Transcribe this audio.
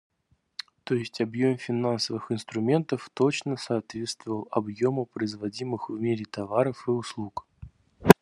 То есть объем финансовых инструментов точно соответствовал объему производимых в мире товаров и услуг.